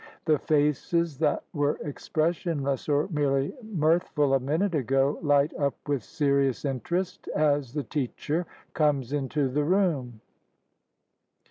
The faces that were expressionless or merely mirth ful a minute ago light up with serious interest as the teacher comes into the room.